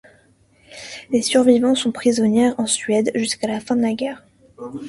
Les survivants sont prisonniers en Suède jusqu'à la fin de la guerre.